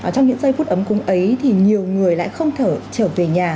trong những giây phút ấm cúng ấy thì nhiều người lại không thể trở về nhà